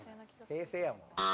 平成やもん。